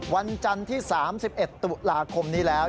วันจันทร์ที่๓๑ตุลาคมนี้แล้ว